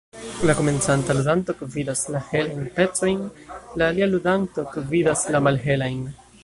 La komencanta ludanto gvidas la helajn pecojn, la alia ludanto gvidas la malhelajn.